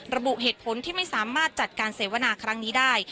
ระบุเหตุผลที่ไม่สามารถจัดการเสวนาครั้งนี้ได้